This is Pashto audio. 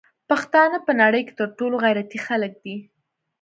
پښتانه په نړی کی تر ټولو غیرتی خلک دی